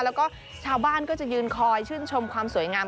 แล้วก็ชาวบ้านก็จะยืนคอยชื่นชมความสวยงาม